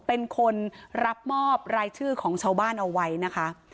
เป็นคนรับมอบรายชื่อของชาวบ้านเอาไว้นะคะ